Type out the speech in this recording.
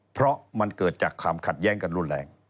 เพราะมันเกิดจากความขัดแย้งกันรุนแรง